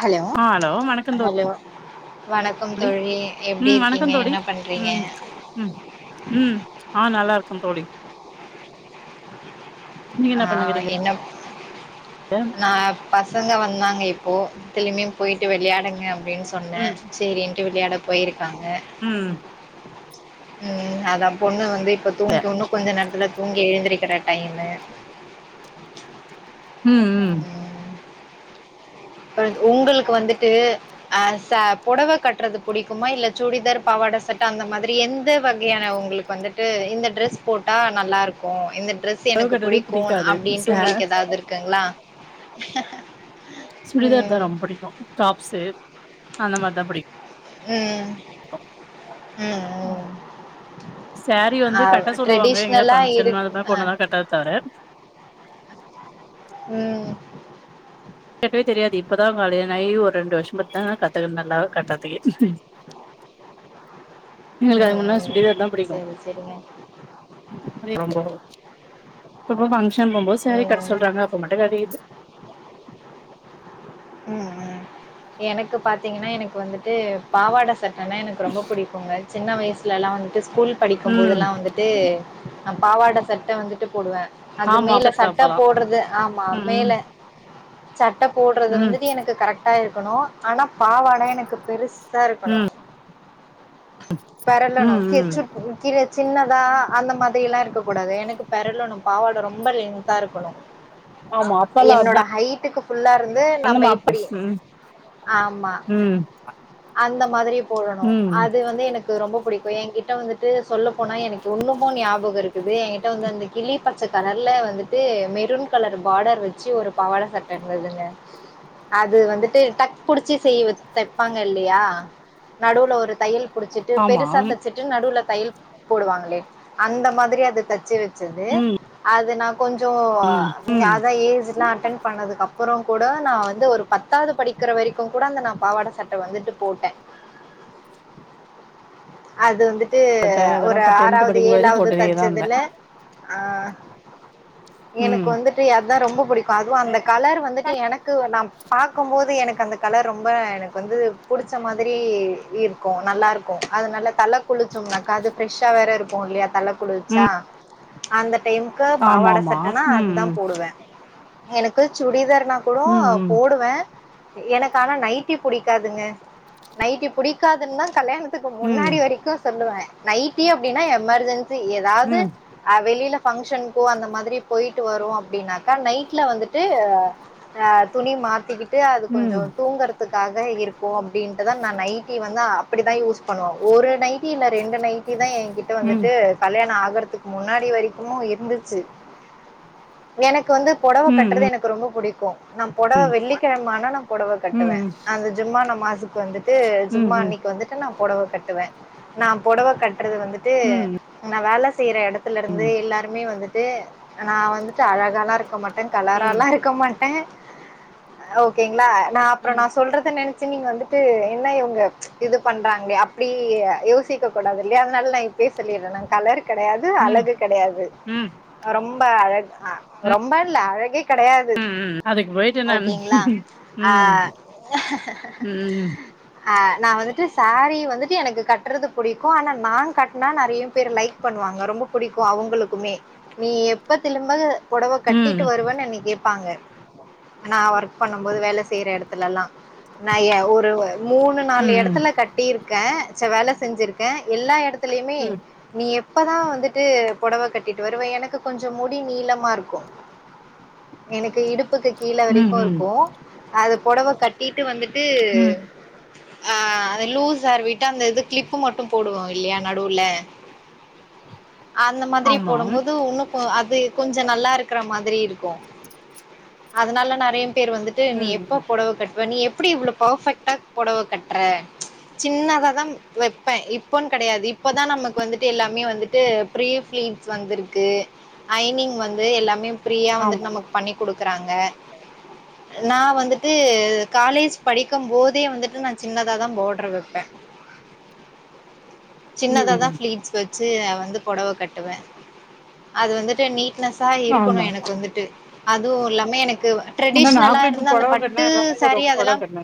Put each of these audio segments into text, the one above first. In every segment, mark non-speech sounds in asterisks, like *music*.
Hello hello வணக்கம் ழி தோழி எப்டி உம் இருக்கீங்க வணக்கம் தோழி என்ன பண்றீங்க உம் உம் உம் ஆ நல்லாருக் கம் தோழி நீங்க ஆ என்ன பண்ணுகிறீங்க என்ன நா பசங்க வந்தாங்க இப்போ திலுமையும் போயிட்டு வெளையாடுங்க ப்டின் சொன்னே ம் சேரி டு விளையாட போயிருக் காங்க ம் உம் அதா பொண்ணு வந்து இப்ப பே தூங்கி ஒன்னு கொஞ்ச நேரத்துல தூங்கி எழுந்திரு க்கிற டைமு *unintelligible* ம் உம் ம் உங்களுக்கு வந்துட்டு அ ச புடவ கட்டுறது புடிக்குமா இல்ல சுடிதார் பாவாட சட்ட அந்த மாதிரி எந்த வகையான உங்களுக்கு வந்துட்டு இந்த ட்ரெஸ் போட்டா நல்லாருக்கு இந்த ட்ரெஸ் புடவ எனக்கு கட்றது புடிக்கு புடிக்காது அப்டின்ட்டு ச உங்களுக்கு எதாவ்து இருக்குங்ளா *inaudible* சுடிதார் தா ரொம்புடிக்கு டாப்ஸு அந்த மாரிதா புடிக் உம் சாரீ வந்து அ கட்ட சொல்லுவாங்க எங்கயாது ட்ரெடிஷ்னலா பங்ஷன் இருக்கு. அது மாரி அ. போன தா கட்ட தவர உம் கட்டவே தெரியாது இப்பதா கல்யாண ஆய் ‌ஒரு ரெண்டு வருஷமாதா கட்ட நல்லா கட்ட தெரியு எங்களுக்கு ம். அதுக்கு முன்ன ம். சுடிதார் தா புடிக்கு சரி, சரிங்க. *unintelligible* ஷன் போம்போது சாரீ கட்ட ம். சொல்றாங்க அப்ப மட்டு கட்டிகிட்டு உம் உம் எனக்கு பாத்தீங்கனா எனக்கு வந்து து பாவாட சட்டன்னா எனக்கு ரொம்ப புடிக்குங்க சின்ன வயசுலல்லா வன்ட்டு ஸ்கூல் படிக்கும் ம் போதுல்லா வந்துட்டு நா பாவாட சட்ட வந்துட்டு போடுவ அது ஆமா மேல பச்ச சட்ட அப்பளோ போடுறது ஆமா ம் மேல சட்டப்போ றது ம் வந்துட்டு எனக்கு கரெக்ட் டா இருக்கணும் ஆன பாவாடா எனக்கு பெருசா இருக்கணும் ம் ம் ம் பெரலணும் ம் கீல்ச்ச ப்ஒ கீழ சின்னதா அந்த மாதிரி எல்லாம் இருக்க கூடாது எனக்கு பெரலணும் பாவாட ரொம்ப லென்த்தா இருக்கணும் ஆமா அப்பல்லா என்னோட அதா ஹைட்டுக்கு புல்லா இருந்து அந்த நம்ப இப்டி மாப்பஸ்உ ஆமா. உம் அந்த மாதிரி போடணும் அது வந்து எனக்கு ரொம்ப புடிக்கும் இப்போ என்கிட்ட வந்துட்டு சொல்ல போனால் எனக்கு இன்னுமு ஞாபகம் இருக்குது என்கிட்ட வந்து அந்த கிளி பச்சை கலர்ல வந்துட்டு மெரூன் கலர் பார்டர் வச்சு ஒரு பவாட சர்ட்ட இருந்ததுங்க அது வந்துட்டு டக் புடிச்சி செய்வது தைப்பாங்க இல்லையா நடுவுல ஒரு தையல் புடிச்சிட்டு ஆமா பெருசா தச்சிட்டு நடுவுல தையல் போடுவாங்களே அந்த மாதிரி அத தச்சு வ வச்சது ம் அஹ் து நா கொஞ்சோ ம் ம் அதான் ஏஜ்ல்லாம் அட்டன் பண்ணதுக்கு அப்புறம் கூட நா வந்து ஒரு பத்தாது படிக்கிற வரைக்கு கூட அந்த நா பாவாட சட்ட வந்துட்டு போட்டே அது வந்துட்டு பட்ட வந்துட்டு ஒரு அதெல்லா இப்ப டென்த் ஆறாவது படிக்கும் வரையு ஏலாவது போட்டுனே தா இருந்தே தெச்சதுல ஆ ம் எனக்கு வந்துட்டு அதா ரொம்ப பு புடிக்கு அதுவு அந்த கலர் வந்து எனக்கு நா பாக்கும் போது எனக்கு அந்த கலர் ரொம்ப எனக்கு வந்து புடிச்ச மாதிரி இருக்கு நல்லா இருக்கு அதுனாலே தல குளிச்சோம்னாக்கா அது ஃப்ரெஷ்ஷா வேற இருக்கு இல்லையா தல குளிச்சா ம் அந்த டைமுக்கு ஆமா பாவாட ஆமா சட்டனா ம் அது தா போடுவே எனக்கு சுடிதார்னா கூடோ ம் ம் போடுவே எனக்கு ஆனா நைட்டி புடிக்காதுங்க நைட்டி புடிக்காதுன்னா கல்யாணத்துக்கு ம் முன்னாடி வரைக்கு சொல்லுவ நைட்டி அப்டின்னா எமர்ஜென்சி எதாது ம் வெளியில பங்ஷனுக்கோ அந்த மாதிரி போயிட்டு வரோ அப்டின்னாக்கா நைட்ல வந்துட்டு ஆ துணி மாத்திக்கிட்டு அது கொஞ்சோ தூங்றதுக்கு இருக்கு அப்டின்ட்டு தா நா நைட்டி வந்து அப்டிதா யூஸ் பண்ணுவோ ஒரு நைட்டி இல்ல ரெண்டு நைட்டி தா எ கிட்ட ம் வந்துட்டு கல்யாண ஆக றத்துக்கு முன்னாடி வரைக்கும்மோ இருந்துச்சு எனக்கு வந்து பொடவ ம் கட்றது எனக்கு ரொம்ப புடிக்கு நா பொடவ வெள்ளிக்கெழமான நா பொடவ ம் கட்டுவே ம் அந்த ஜும்மானா மாசுக்கு வந்துட்டு ஜும்மா ம் அன்னைக்கு வந்துட்டு நா பொடவ கட்டுவே நா பொடவ கட் றது வந்துட்டு ம் ம் நா வேல செய்ற எடத்துல ம் இருந்து எல்லாருமே வந்துட் பே நா வந்துட்டு அழகாலா இருக்க மாட்டே ம் கலராலா இருக்க மாட் ஓகேங்களா நா அப்பரா ம் நா சொல்றது நெ நீங்க வந்துட்டு என்ன இவங்க இது பண்றாங்களே அப்டி யோசிக்க கூடாது இல்லையா அதனால நா இப்பயே சொல்லிடுறேன் நா கலரு கெடையாது ம் ம் அலகு கிடையாது ம் ரொம்ப ரொம்ப அழகா ரொம்ப இல்ல அழகே கெடையாது அதுக்கு போயிட்டு என்ன ம் ஓகேங்களா ம் அஹ் ம் அஹ் நான் வந்துட்டு சேரீ வந்துட்டு எனக்கு கட்டுறது பிடிக்கும் ஆனா நான் கட்னா நிறைய பேர் லைக் பண்ணுவாங்க ரொம்ப பிடிக்கும் அவங்களுக்குமே நீ எப்ப திலும்ப புடவை ம் ம் கட்டிட்டு வருவன்னு அன்னைக்கு பாப்பாங்க நான் ஒர்க் பண்ணும் போது வேலை செய்யற இடத்துலல்லாம் நான் ஏ ஒரு மூணு நாலு ம் இடத்துல கட்டி இருப் இருக்கேன் வேலை செஞ்சிருக்கேன் எல்லா இடத்த தில்லுயுமே ம் நீ எப் இப்பதான் வந்துட்டு புடவை கட்டிட்டு வருவேன் எனக்கு கொஞ்சம் முடி நீளமா இருக்கும் எனக்கு இடுப் இடுப்புக்கு கீழே ம் வரைக்கும் ம் இருக்கும் அது புடவை கட்டிட்டு வந்துட்டு ம் ட்டு ஆஹ் அது லூஸ் ஹேர் விட் அந்த இது கிளிப்பு மட்டும் போடுவோம் இல்லையா நடுவுல அந்த மாதிரி ஆமாம். போடும்போது உன்னும் அது கொஞ்சம் நல்லா இருக்கற மாதிரி இருக்கும் அதனால நெறய பேர் வந்துட்டு நீ ம், எப்ப ம். பொடவ கட் இப்ப நீ எப்டி இவ்வளோ பெர்ஃபெக்டா பொடவ கட்டுற சின்னதா தான் வைப்பேன் இப்போன்னு கெடயாது இப்போதான் நமக்கு வந்துட்டு எல்லாமே வந்துட்டு ப்ரீீ பிலீட்ஸ் வந்துருக்கு ஐனிங் வந்து எல்லாமே ஃபிரீயா வந்துட் ஆமா. நமக்கு பண்ணி குடு ருக்காங்க நான் வந்துட்டு காலேஜ் படிக்கும் போதே வந்துட்டு நான் சின்னதாதான் பாடரு வப்பேன் சின்னதாதான் ம். ப்ளீட்ஸ் வச்சு வந்து பொடவ கட்டுவேன் அது வந்துட்டு நீ *unintelligible* இருக்கணும் ஆமாமா. எனக்கு வந்துட்டு அது அதும் இல்லாம எனக் ஆனா நான் ட்ரெடிஷ்னலா கூட இப்ப இருந்தா அந்த புடவ கட்னா பட்டு எல்லாமே சாரி சொல்லுவாங்க புடவ அதெலாம் *inaudible* கட்ன.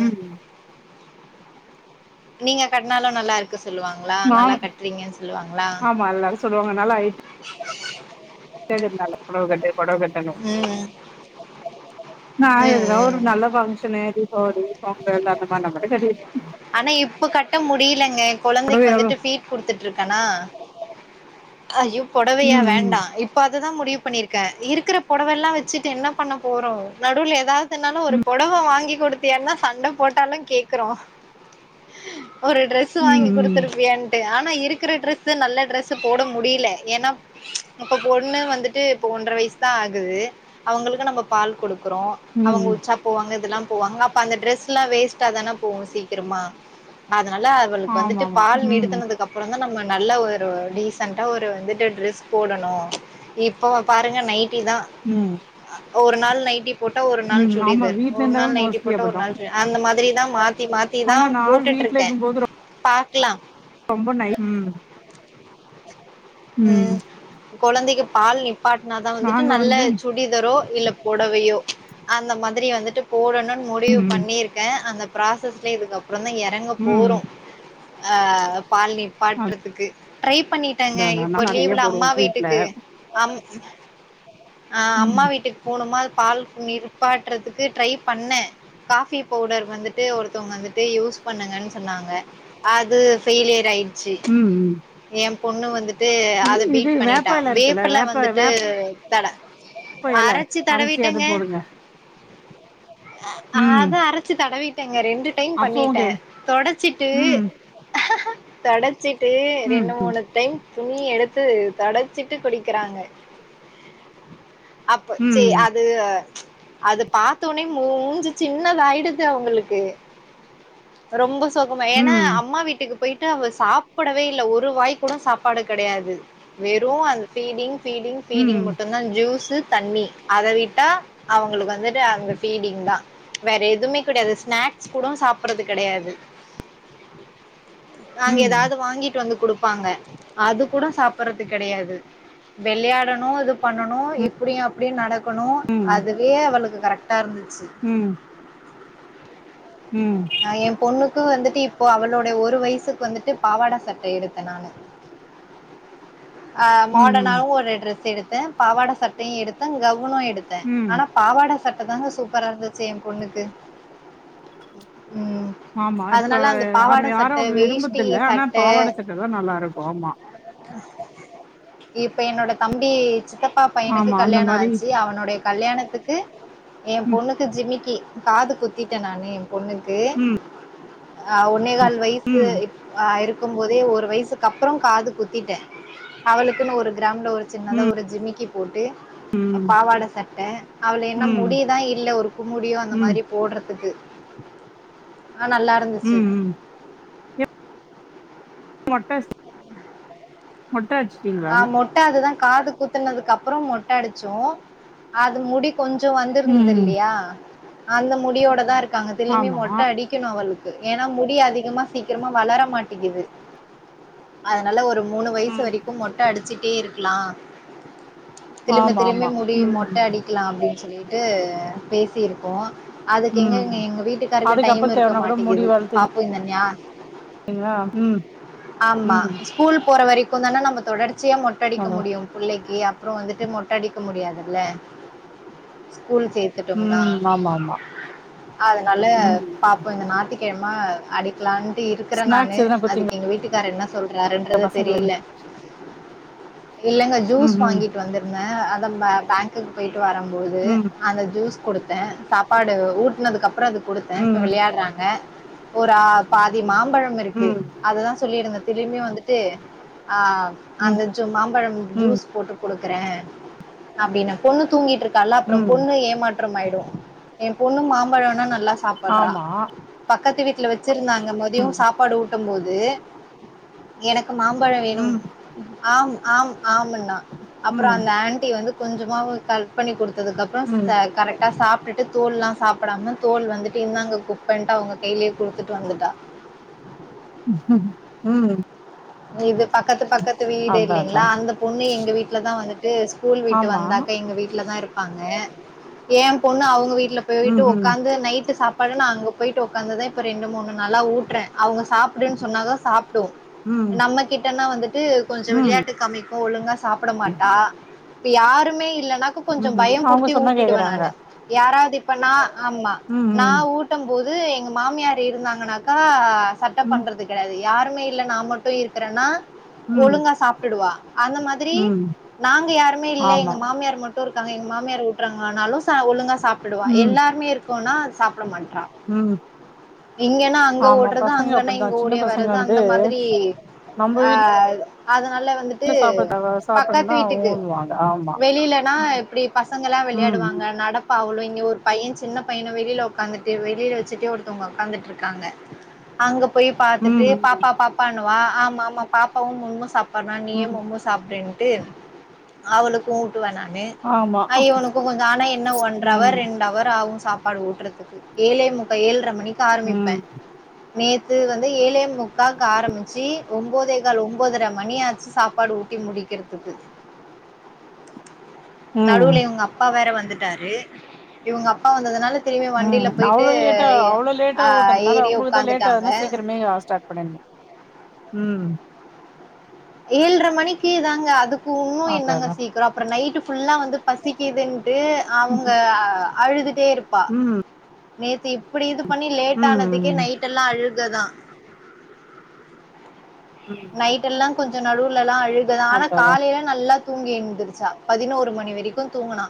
உம் நீங்க கட்னாலும் நல்லாருக்கு சொல்லுவாங்களா நல்லா நானும் கட்டுறீங்கன்னு சொல்லுவாங்களா *inaudible* ஆமா எல்லாரும் புட கட்டு பொடவ கட்டனு ம் நான் ம் எதுனா ஒரு ம் நல்ல ஃபங்சனு போகி பொங்கல் அனுமாரினா மட்டும் கட்டி ஆனா இப்ப கட்ட முடியலங்க புடவ கொழந்தைக்கு எவ்ளோ வந்துட்டு ஃபீட் குடுத்துட்டு இருக்கானா ஐயோ புடவயா ம், ம். வேண்டாம் இப்பா அதுதான் முடிவு பண்ணிருக்கேன் இருக்கிற பொடவயெலாம் வச்சுட்டு என்ன பண்ண போறோம் நடுவில் ஏதாது என்னால ஒரு ம். பொடவ வாங்கி குடுத்தியான்னா சண்ட போட்டாலும் கேக்குறோம் *inaudible* ஒரு டிரெஸ் வாங்கி ம், ம். கொடுத்துருப்பியன்ட்டு ஆனா இருக்கிற டரெஸ் நல்ல ட்ரெஸ் போட முடியல ஏன்னா இப்ப போடு வந்துட்டு இப்ப ஒன்றர வயசு தான் ஆகுது அவங்களுக்கு நம்ம பால் குடுக் இருக்கறோம் அவங்க ம். உச்சா போவாங்க இதெலாம் போவாங்க அப்ப அந்த டிரெஸ் எலாம் வேஸ்ட் அதானே போசி இருமா அது னலா அவர்களுக்கு வந்துட்டு ஆமாமா. பால் ம். நிறுத்தனதுக்குப்பறம் தான் நம்ம நல்ல ஒரு டீசண்டா ஒரு வந்துட்டு ட்ரெஸ் போடணும் இப்ப பாருங்க நைட் அப்டி தான் ம். ஒரு நால் நைடிப் போட்ட ஒரு நாள் ம். ஆமா சுடிடுதர் வீட்ல ஒரு நாள் இருந்தாலும் நைட்டி மோஸ்ட்லி போட்ட ஒரு அப்படிதான். நாள் சு அந்த மாரி தான் மாத்தி பா ஆனா தான் நான் போட்டுட்டு வீட்ல இருக்கேன் இருக்கும்போது பா க்கலாம் ரொம்ப டைம் உம் உம் ம் குழந்தைக்கு பால் நி ப்பாட்டுனாதான் வந்துட்டு நல்ல வந்து சுடிதரும் இல்ல புடவையோ அந்த மாதிரி வந்துட்டு போடணும் முடிவு ம். பண்ணியிருக்கேன் அந்த பராசஸ்ல இதுக்க அப்புறந்தான் இறங்க ம். போறும் ஆஹ் ஆ. பால்னிப்பட்டுறதுக்கு ட்ரை பண்ணிட்டாங்க நானா ஒரு நெறைய லீவுல போடுவோ அம்மா வீட்ல வீட்டுக்கு அம் ஆஹ் ம் அம்மா வீட்டுக்கு போணுமா பால் நிப்பாட்டுறதுக்கு ட்ரை பண்ணேன் காஃபி பவுடர் வந்துட்டு ஒருத்தங்க வந்துட்டு யூஸ் பண்ணுங்கன்னு சொன்னாங்க அது ஃபெயலியர்ஆய் சி ம் ம். ஏம் பொண்ணு வந்துட் ட்டு இ- அத இது பீட் பண்ணிட்டா வேப்ப எல வேப்பல வந்துட்டு தட போயல்ல அரச்சு அரைச்சி அது போடுங்க ஆ ம் நான் அரைச்சு தடவிட்டேங்க ரெண்டு டைம் அப்பவு கே பண்ணிட்டேன் தொடச்சிட்டு ம் தொடச்சி டூ ம் ரெண்டு மூணு டைம் நீ எடுத்து தெடச்சிட்டு குடிக்கிறாங்க அப்ப சே ம் அது அது பாத்தோனே மூஞ்சு சின்னதாயிடுது அவங்களுக்கு ரொம்ப சோகம ஏன்னா ம் அம்மா வீட்டுக்கு போயிட் அவ சாப்பிடவே இல்ல ஒரு வாய்கூட சாப்பிட பாடு கிடையாது வெறும் அந்த ஃபீடிங் பீடிங் ம் பீடிங் ம் மட்டும்தான் ஜூஸ் தண்ணி அத விட்டா அவங்களுக்கு வந்துட்டு அந்த பீடிங் தான் வேற எதுவுமே கெடையாது ஸ்நாக்ஸ் கூட சாப்பறது கெடையாது நாங்க ஏதாவது ம் வாங்கிட்டு வந்து கொடுப்போ வப்பாங்க அது கூட சாப்படடுறது கெடையாது வெளையாடணும் இது பண்ணனும் இப்டியும் அப்டியும் நடக் இருக்கணும் அதுவே அவளுக்கு கரக் டா இருந் ம் ம் ஆஹ் என் பொண்ணு வந்துட்டு இப்போ அவளுோடைய ஒரு வயசுக்கு வந்துட்டு பாவாட சட்ட எடுத்தேன் நானு ஆ ம் மாடனாவும் ஒரு டிரெஸ் எடுத்து பாவாட சட்டயும் எடுத்தேன் கெவு னும் எடுத்தேன் ம் ஆனா பாவாட ச ட சட்ட தாங்க சூப்பரா இருந்துச்சு என் பொண்ணுக்கு ம் ஆமா இப்ப அதனால அந்த யார பாவாட யாரும் சட்ட விரும்புது வேஷ்டி இல்ல ஆனா பாவாட சட்ட தான் நல்லா இருக்கும் மா இப்ப என்னோட தம்பி சித்தப் அப்பா பையனுக்கு ஆமா அந்த கல்யாணம் மாரி ஆச்சு அவனுடைய கல்யாணத்துக்கு என் ம் பொண்ணுக்கு ஜிமிக்கி காது குத்தட்டேன் நானே பொண்ணுக்கு ம் ஆஹ் ஒனே கல வயசு ம் இருக்கும் போதே ஒரு வயசுக்குப்ப அப்பறம் காது குத்திட்டேன் அவளுக்குன்னு ஒரு கிராமல ஒரு சின்னதா ம் ஒரு ஜிமிக்கி போட்டு ம் பாவாட சட்ட அவள் என்ன ம் ம் முடிதான் இல்ல ஒரு குமுடியோ அந்த ம் மாரி போடுறதுக்கு ஆ நல்லா இருந்துச்சு ம் மட்ட ம ஆஹ் மொட்ட அதுதான் காது குத்துனதுக்குப்பறம் மொட்ட அடிச்சோம் அது முடி கொஞ்சம் வந்திருந்தது ம் இல்லயா அந்த முடியோட தான் இருக்கு அதிலுமே ஆமா மொட்ட அடிணும் அவள் ஏன்னா முடி அதிகமா சீக்கிரமா வளர மாட்டேங்கிது அதனால ஒரு மூணு வயசு ம் வரைக்கும் மொட்ட அடிச்சிட்டே இருக்கலாம் திரும்ப ஆமா திரும்பி ஆமா முடி மொட்ட ம் அடிக்கலாம் அப்டின்னு சொல்லி ட்டு பேசி இருக்கோம் அதுக்கு ம் எங்கங்க எங்க வீட்டுக்காருக்கு டைம் அதுக்கப்புறோ இருக்க தேவனா கூட முடி மாட்டேங்குது வளத்துவீங்களா பாப்போம் இந்த ஞா ம் ஆமா ம் ஸ்கூல் போற வரைக் கும் நம்ம தொடர்ந்து கடைசியா மொட்டை அடிக்க அதா முடியும் புள்ளைக்கு அ அப்புறம் வந்துட்டு மொட்ட அடிக்க முடியாதுல்ல ஸ்கூல் சேர்த்துட்டோம்னா ம் ஆமா ஆமா அதனால ம் பாப்போம் இந்த ஞாயிற்றுக்கிழமை அடிக்கலான்னு இருக்கறேன் நானு ஸ்நாக்ஸ் எதுனா அதுக்கு குடுத்தீங்களா எங்க வீட்டுக்கார என்ன சொல்றாருன்றத பசங்களுக்கு தெரில இல்லங்க ஜூஸ் ம் ம் வாங்கிட்டு வந்திருந்தேன் நம்ம பேங்குக்கு போயிட்டு வரும்போது ம் அந்த ஜூஸ் குடுத்தேன் சாப்பாடு ஊட்டனதுக்கு அப்புறம் அப்புறம் அது குடுத்தேன் இப்ப ம் விளையாடுறாங்க ஒரு ஆ பாதி மாம்பழம் இருக்கு ம் தான் சொல்லியிருந்தன் திரும்பி வந்துட்டு ம் அந்த ஜூ மாம்பழம் ம் ஜூஸ் போட்டு குடுக்குறேன் அப்டின்ன பொண்ணு தூங்கிட்டு இருக்க அல்ல அப்புறம் ம் பொண்ணு ஏமாட்ட மாயிடும் என் பொண்ணும் மாம்பழம்னா நல் நல்லா சாப்பிடுறா ஆமா ப பக்கத்து வீட்ல வச்சு இருந்தாங்க மதியம் ம் சாப்பாடு ஊட் டும் போது எனக்கு மாம்பழம் வேணும் ம் ஆம் ஆம் ஆம்ன்னா அப்புறம் ம் அந்த ஆன்ட்டி வந்து கொஞ்சம கட் பண்ணி குடுத்து அதுக்கப்புறம் ம் கரெக்டா சாப் பிட்டு தோல்லாம் சாப்பிடாம தோல் வந்துட்டு இந்தாங்க குப்பைன்ட்டு அவங்க கையிலே குடுத்துட்டு வந்துட்டா ஹ ஹம் இது பக்கத்து பக்கத்து வீடு இல்லைங்களா அதா அந்த பொண்ணு எங்க வீட்டில தான் வந்துட்டு ஸ்கூல் வீட்டு ஆமா வந்தாக்கா எங்க வீட்டில தான் இருப் ப்பாங்க ஏன் பொண்ணு அவங்க வீட் ல ம் போயிட்டு ம் உட்காந்து நைட்டு் சாப்பி ப்பா நான் அங்க போயிட்டு உட்க்காந்துதான் இப்ப ரெண்டு மூணு நாளா ஊட்டுறேன் அவங்க சாப்பிடுன்னு சொன்னா தான் சாப்புடும் ம் நம்ம கிட்டனா வந்து டு கொஞ்சம் ம் விளையாட்டு காமிக்கு ஒழுங்கா சா சாப்பட மாட்டா இப்ப யாருமே இல்ல நாகும் கொஞ்சம் ம் அவங்க பயம்புடுத்தி சொன்னா ஊட்டிடுவேன் கேக்குறாங்க நானு யாராவது இப்பனா ஆமா ம் நா ம் ஊட்டும் போது து எங்க மாமியார் இருந்தாங்கன்னாக்கா சட்டப் ம் பண்றது கெடையாது யாருமே இல்ல நா மட் போய் இருக்கறேனா ம் ஒழுங்கா சாப்பிடுவா அந்த மாதிரி ம் நாங்க யாருமே இல்ல ஆமா எங்க மாமியார் மட் இருக்காங்க எங்க மாமியார் விட்டுறாங்கனாலும் ஒங்கா சாப்பிடுவா ம் எல்லாருமே இரு தோன்ன சாப்பிட மாட் டா ம் இங்கன்னா அங்க ஆமா ஓடுறது பசங்க அங்கன்னா அப்படித்தா இங்க சின்ன ஓடிய பசங்க வரது வந்து அந்த மாதிரி நம்ம வீட்ல அஹ் அத னால வந்துட்டு சாப்பிட பக்கத்து சாப்பிடனா வீட்டுக்கு ஊன்னுவாங்க ஆமா வெளிலனா ம் இப்படி பசங்க எல்லாம் விளையாடுவாங்க ம் நடப்ப அவளளோ ஒரு பையன் சின்ன பையனை வெளியில உக்காந்துட்டு வெளியில வச்சுட்டு ஒருத்தவங்க உட்காந்துட்டு இருக்காங்க அங்க போய் பார்த்துட்டு ம் ம். பாப்பா பாப்பானு னுவ ஆமா ஆமா பாப்பாவும் முண்மும் சாப் புரா நீயு ம். மம்மோ சாப்பிடு ட்டு அவளுக்கும் உட்டுவ நானு ஆமா அ இவனுக்கு கொஞ்சம் ஆனா என்ன ஒன்ற ம் ஹவர் ரெண்டு ஹவர் ஆகும் சாப்பாடு ஊட்டுறதுக்கு ஏழே முக்க ஏழரை மணிக் ம் ஆரம்பிப்பேன் நேத்து வந்து ஏழே முக்காக்க ஆரம்பிச்சு ஒன்பதே கால் ஒன்பதரை மணியாச்சு சாப்பாடு ஊட்டி முடிக்கிறதுக்கு ம் நடுவுல உங்க அப்பா வேற வந்துட்டு டாறு இவங்க அப்பா வந்ததுனால திரும்பி உம் வண்டில போயிட்டு அவ்வளோ லேட்டா அவ்வளோ லேட்டா ஆ ஓட்டதுனால ஏறி உங்களுக்குதான் லேட்ட உக்காந்துட்டாங்க ஆகுதுனா சீக்கிரமே ஸ்டார்ட் பண்ணிருணுன ம் ஏழரை மணிக்கு தாங்க அதுக்கு இன்னும் அதா என்னங்க அதா சீக்கிரம் அப்பறம் நைட்டு ஃபுல்லா வந்து பசிக்குது ட்டு அவங்க அழுதுட்டே இருப்பா ம் ம் நேத்து இப்டி இந்து பண்ணி லேட் ஆனதுக்கு ம் நைட் எல்லாம் அழுகு த்தான் ம் நைட் எல்லாம் கொஞ்சம் நடுல தா அழுகதான் ஆனா அதா அதா காலையில நல்லா தூங்கி இ ருநதுச்சா பதினோரு மணி வரைக்கும் தூங்கினா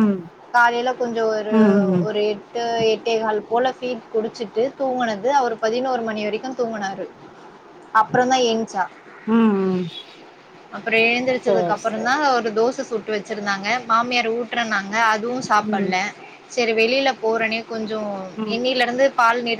ம் காலையில கொஞ்சம் ஒரு ம் ம் ஒரு எட் எ எட்டே கால் போல பீட் குடிச்சிட்டு தூங்கினது அவரு பதினோரு மணி வரைக்கும் தூங்கினாரு அப்பறம் தான் என்ச்சா ம் ம் அப்பறம் எழுந்திரச்சதுக்கு சேரி அப்பறம் சேரி தான் ஒரு தோச சுட் வச்சிருந்தாங்க மாமியார் ஊட்டுறனாங்க அதுவும் ம் சாப்படல செரி வெளியில போறேனே கொஞ்சம் ம் என்னயில இருந்து பால் நீர்